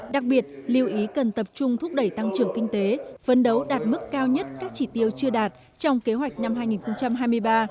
đặc biệt lưu ý cần tập trung thúc đẩy tăng trưởng kinh tế phấn đấu đạt mức cao nhất các chỉ tiêu chưa đạt trong kế hoạch năm hai nghìn hai mươi ba